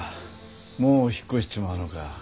もう引っ越しちまうのか。